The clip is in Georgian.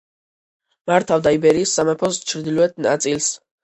მართავდა იბერიის სამეფოს ჩრდილოეთ ნაწილს.